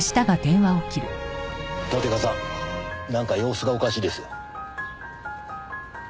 騨手川さんなんか様子がおかしいですよ。